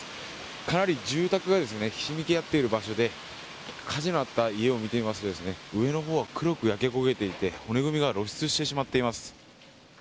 かなり住宅がひしめき合っている場所で火事のあった家を見てみますと上のほうは黒く焼け焦げていて骨組みが露出してしまっています。